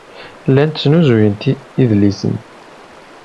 Llant snuzuyent idlisen.